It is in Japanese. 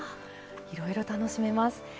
いろいろ楽しめます。